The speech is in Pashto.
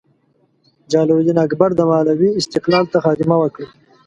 جلال الدین اکبر د مالوې استقلال ته خاتمه ورکړه.